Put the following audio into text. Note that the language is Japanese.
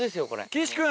岸君！